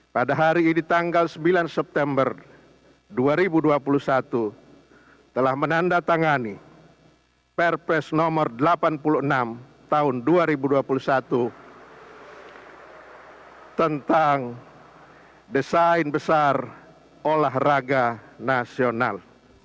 pada hari ini tanggal sembilan september dua ribu dua puluh satu telah menandatangani perpres nomor delapan puluh enam tahun dua ribu dua puluh satu tentang desain besar olahraga nasional